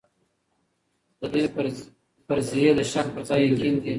د دوی فرضيې د شک پر ځای يقين دي.